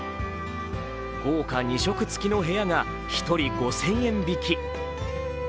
豪華２食つきの部屋が１人５０００円引き。